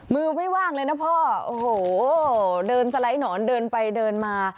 มือไม่ว่างเลยนะพ่อโอ้โหเดินสไลด์หนอนเดินไปเดินมา